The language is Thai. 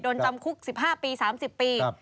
จำคุก๑๕ปี๓๐ปี